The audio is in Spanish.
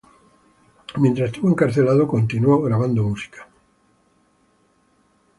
Mientras estuvo encarcelado, continuó grabando música.